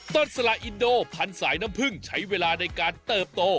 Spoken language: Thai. สละอินโดพันสายน้ำพึ่งใช้เวลาในการเติบโต